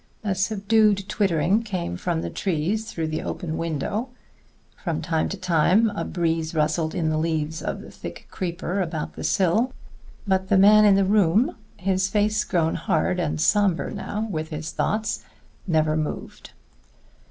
A subdued twittering came from the trees through the open window. From time to time a breeze rustled in the leaves of the thick creeper about the sill. But the man in the room, his face grown hard and somber now with his thoughts, never moved.